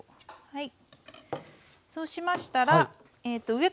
はい。